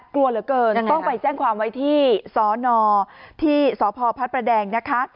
กลัวเหลือเกินต้องไปแจ้งความไว้ที่สนที่สพพระประแดงนะคะ